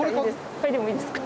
嗅いでもいいですか？